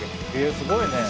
すごいね。